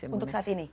untuk saat ini